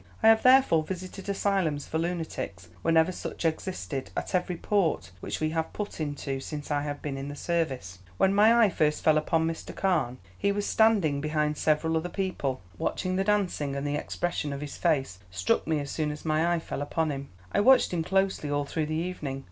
I have therefore visited asylums for lunatics whenever such existed, at every port which we have put into since I have been in the service. "When my eye first fell upon Mr. Carne he was standing behind several other people, watching the dancing, and the expression of his face struck me as soon as my eye fell upon him. I watched him closely all through the evening.